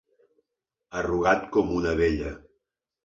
Arrugat com una vella.